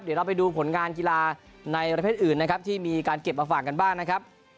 เดี๋ยวเราไปดูผลงานกีฬาในประเภทอื่นนะครับที่มีการเก็บมาฝากกันบ้างนะครับ